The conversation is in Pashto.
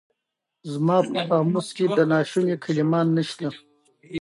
زما په قاموس کې د ناشوني کلمه نشته.